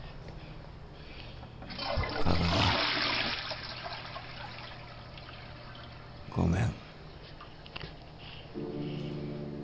香川ごめん。